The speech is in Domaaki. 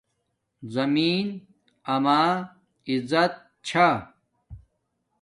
زمین اما عزت چھا